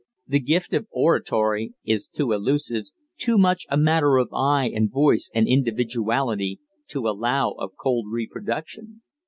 The gift of oratory is too illusive, too much a matter of eye and voice and individuality, to allow of cold reproduction.